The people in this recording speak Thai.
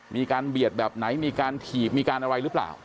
เบียดแบบไหนมีการถีบมีการอะไรหรือเปล่า